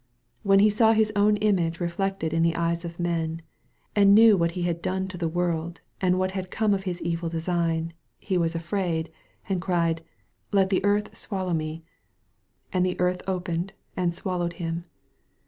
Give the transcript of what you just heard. When he saw his own image reflected in the eyes of men, and knew what he had done to the world and what had come of his evil design, he was afraid, and cried, ''Let the Earth swallow me !'' And the Earth opened, and swaQowed him.